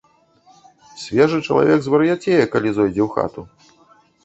Свежы чалавек звар'яцее, калі зойдзе ў хату.